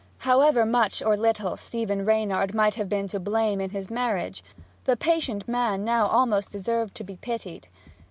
However much or little Stephen Reynard might have been to blame in his marriage, the patient man now almost deserved to be pitied.